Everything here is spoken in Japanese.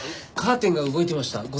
カーテンが動いてました。